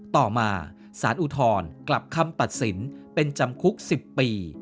ต่อมาสารอุทธรณ์กลับคำตัดสินเป็นจำคุก๑๐ปี